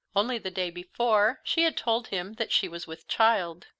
Only the day before she had told him that she was with child.